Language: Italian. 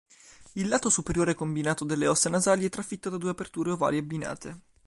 Il lato superiore combinato delle ossa nasali è trafitto da due aperture ovali abbinate.